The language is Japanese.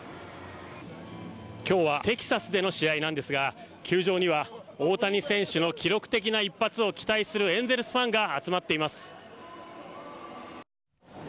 今日はテキサスでの試合なんですが球場には大谷選手の記録的な一発を期待するエンゼルスファンが集まっています。